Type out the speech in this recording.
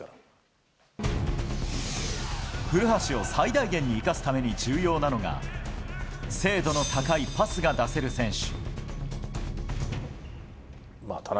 古橋を最大限に生かすために重要なのが精度の高いパスが出せる選手。